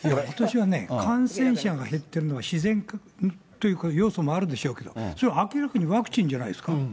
私はね、感染者が減ってるのは、自然という要素もあるでしょうけど、それは明らかにワクチンじゃないですか。